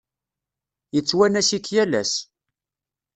Yettwanas-ik yal ass.